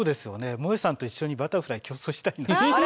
もえさんと一緒にバタフライ競争したいな。